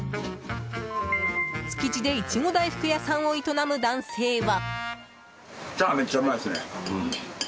築地で苺大福屋さんを営む男性は。